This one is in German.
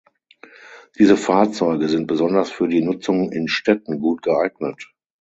Diese Fahrzeuge sind besonders für die Nutzung in Städten gut geeignet.